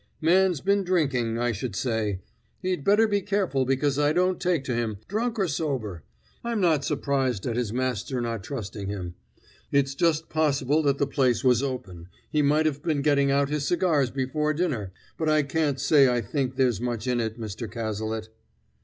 "Man's been drinking, I should say. He'd better be careful, because I don't take to him, drunk or sober. I'm not surprised at his master not trusting him. It's just possible that the place was open he might have been getting out his cigars before dinner but I can't say I think there's much in it, Mr. Cazalet."